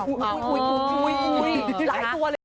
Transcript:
คุยคุยคุยคุยไหลก๊อล่ะ